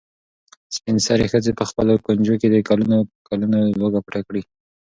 سپین سرې ښځې په خپلو ګونځو کې د کلونو کلونو لوږه پټه کړې وه.